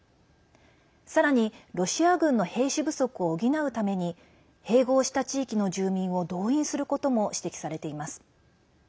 さらに、ロシア軍の兵士不足を補うために併合した地域の住民を動員することも指摘されています。